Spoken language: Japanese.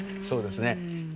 そうですね。